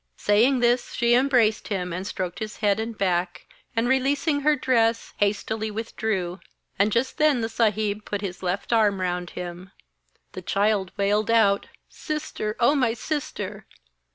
Saying this she embraced him and stroked his head and back, and releasing her dress, hastily withdrew; and just then the Saheb put his left arm round him. The child wailed out: 'Sister, oh, my sister!'